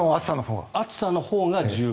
暑さのほうが１０倍。